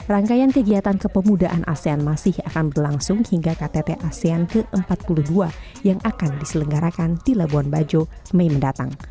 rangkaian kegiatan kepemudaan asean masih akan berlangsung hingga ktt asean ke empat puluh dua yang akan diselenggarakan di labuan bajo mei mendatang